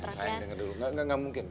saya denger dulu enggak mungkin